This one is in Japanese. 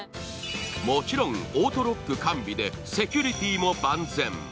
もちろんオートロック完備でセキュリティーも万全。